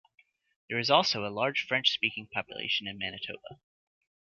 There is also a large French-speaking population in Manitoba.